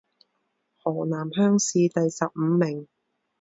河南乡试第十五名。